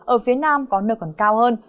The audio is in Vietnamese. ở phía nam có nợ còn cao hơn